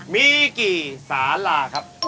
มีกี่สาลาครับ